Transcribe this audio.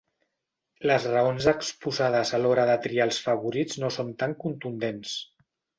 Les raons exposades a l'hora de triar els favorits no són tan contundents.